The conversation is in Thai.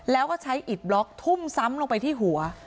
แล้วก็ใช้อิดบล็อกทุ่มซ้ำลงไปที่หัว